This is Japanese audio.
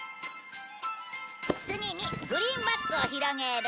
次にグリーンバックを広げる。